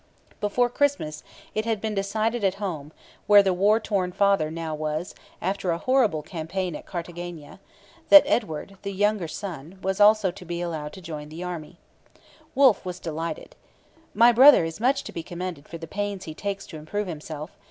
Before Christmas it had been decided at home where the war worn father now was, after a horrible campaign at Cartagena that Edward, the younger son, was also to be allowed to join the Army. Wolfe was delighted. 'My brother is much to be commended for the pains he takes to improve himself.